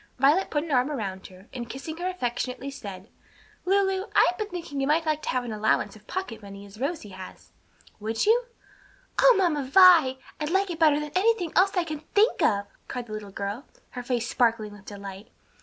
Violet put an arm around her, and kissing her affectionately, said, "Lulu, I have been thinking you might like to have an allowance of pocket money, as Rosie has. Would you?" "O Mamma Vi! I'd like it better than anything else I can think of!" cried the little girl, her face sparkling with delight.